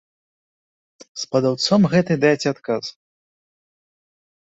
З падаўцом гэтай дайце адказ.